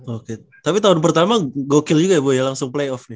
oke tapi tahun pertama gokill juga ya bu ya langsung playoff nih